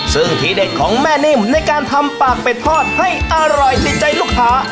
ซึ่งทีเด็ดของแม่นิ่มในการทำปากเป็ดทอดให้อร่อยติดใจลูกค้า